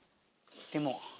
でも。